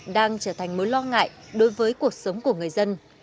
đang trở thành mối lo ngại đối với cuộc sống của người dân